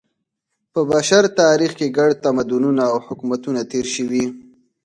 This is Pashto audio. په بشر تاریخ کې ګڼ تمدنونه او حکومتونه تېر شوي.